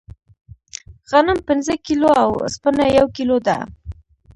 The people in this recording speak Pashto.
غنم پنځه کیلو او اوسپنه یو کیلو ده.